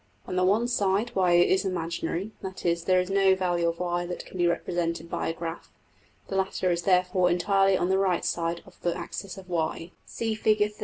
On one side $y$~is imaginary; that is, there is no value of~$y$ that can be represented by a graph; the latter is therefore entirely on the right side of the axis of~$y$ (see \Fig).